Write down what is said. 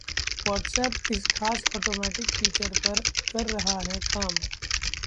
WhatsApp इस खास 'automatic' feature पर कर रहा है काम